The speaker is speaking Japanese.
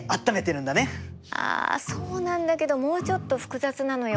あそうなんだけどもうちょっと複雑なのよ。